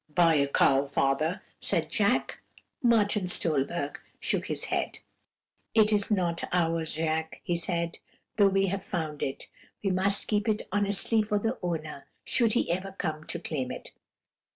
"'Buy a cow, father,' said Jacques. "Martin Stolberg shook his head. "'It is not ours, Jacques,' he said, 'though we have found it; we must keep it honestly for the owner, should he ever come to claim it.'